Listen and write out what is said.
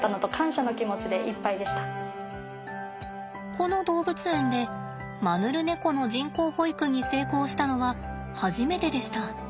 この動物園でマヌルネコの人工哺育に成功したのは初めてでした。